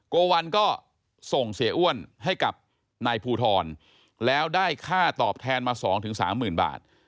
โกวัลก็ส่งเสียอ้วนให้กับนายภูทรแล้วได้ค่าตอบแทนมา๒๓๐๐๐บาท